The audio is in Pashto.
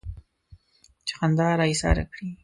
چې خندا را ايساره کړي.